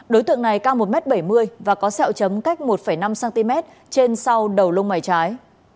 đối tượng này cao một m bảy mươi và có sẹo chấm cách một năm cm trên sau đầu lông mày trái